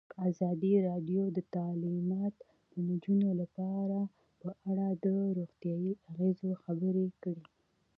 ازادي راډیو د تعلیمات د نجونو لپاره په اړه د روغتیایي اغېزو خبره کړې.